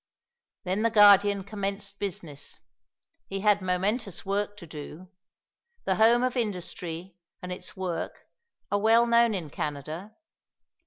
Then the Guardian commenced business. He had momentous work to do. The Home of Industry and its work are well known in Canada.